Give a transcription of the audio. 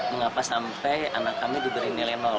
mengapa sampai anak kami diberi nilai nol